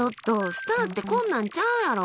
スターってこんなんちゃうやろ。